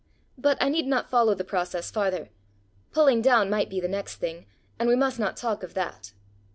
But I need not follow the process farther: pulling down might be the next thing, and we must not talk of that!"